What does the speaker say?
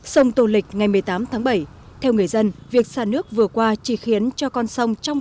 sông tô lịch ngày một mươi tám tháng bảy theo người dân việc xả nước vừa qua chỉ khiến cho con sông trong